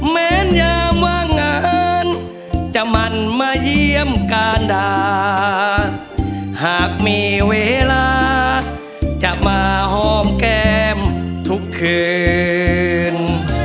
แม้นยามว่างานจะมันมาเยี่ยมการด่าหากมีเวลาจะมาหอมแก้มทุกคืน